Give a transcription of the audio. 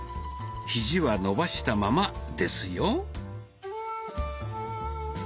ひじは伸ばしたままですよ。